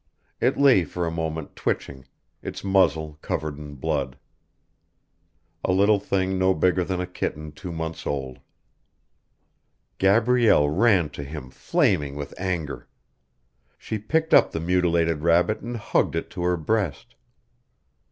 It lay for a moment twitching, its muzzle covered in blood. A little thing no bigger than a kitten two months old Gabrielle ran to him flaming with anger. She picked up the mutilated rabbit and hugged it to her breast.